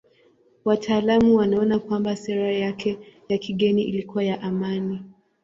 Wataalamu wanaona kwamba sera yake ya kigeni ilikuwa ya amani.